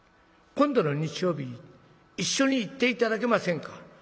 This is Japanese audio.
今度の日曜日一緒に行って頂けませんか？